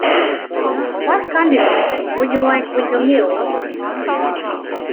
What condiments would you like with your meal?